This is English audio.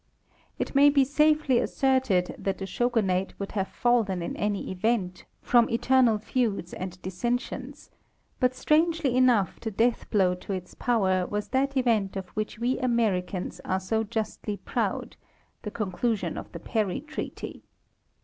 It may be safely asserted that the Shogunate would have fallen in any event, from internal feuds and dissensions ; but strangely enough the death blow to its power was that event of which we Americans are so justly proud—the conclusion of the Perry treaty.